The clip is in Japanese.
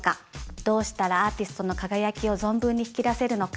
どうしたらアーティストの輝きを存分に引き出せるのか。